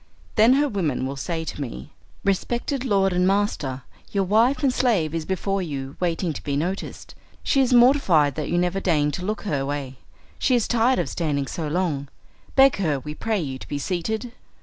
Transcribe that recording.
Then her women will say to me, "Respected lord and master, your wife and slave is before you waiting to be noticed. She is mortified that you never deign to look her way; she is tired of standing so long. Beg her, we pray you, to be seated."